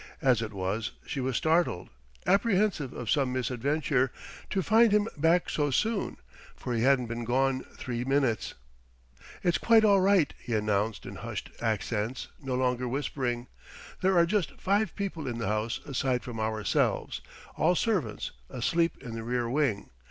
As it was, she was startled, apprehensive of some misadventure, to find him back so soon; for he hadn't been gone three minutes. "It's quite all right," he announced in hushed accents no longer whispering. "There are just five people in the house aside from ourselves all servants, asleep in the rear wing.